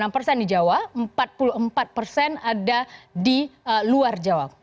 enam persen di jawa empat puluh empat persen ada di luar jawa